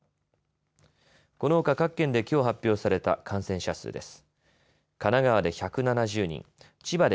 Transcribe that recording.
このほか各県できょう発表された感染者数です。